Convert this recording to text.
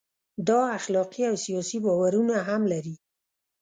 دا اخلاقي او سیاسي باورونه هم لري.